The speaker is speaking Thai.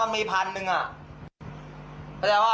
มันคือยังไงวะ